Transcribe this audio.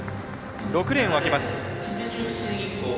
６レーンは空けます。